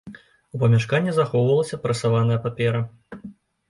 У памяшканні захоўвалася прэсаваная папера.